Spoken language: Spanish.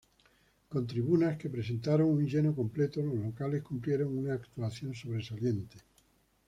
Con tribunas que presentaron un lleno completo los locales cumplieron una actuación sobresaliente.